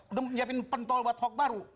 udah nyiapin pentol buat hoax baru